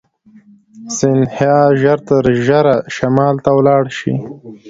سیندهیا ژر تر ژره شمال ته ولاړ شي.